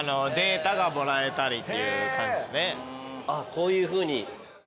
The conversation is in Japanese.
こういうふうに。